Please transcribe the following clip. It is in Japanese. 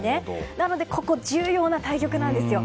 なのでここ重要な対局なんですよ。